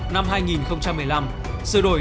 năm hai nghìn một mươi năm sửa đổi